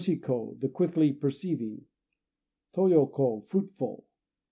Toshi ko "The Quickly Perceiving." Toyo ko "Fruitful."